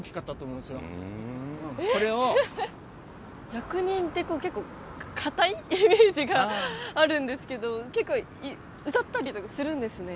役人って結構堅いイメージがあるんですけど結構歌ったりとかするんですね。